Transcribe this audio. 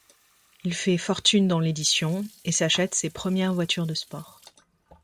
Il fait fortune dans l'édition, et s’achète ses premières voitures de sport.